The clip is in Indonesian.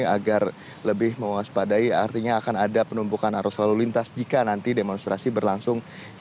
agar lebih mewaspadai artinya akan ada penumpukan arus lalu lintas jika nanti demonstrasi berlangsung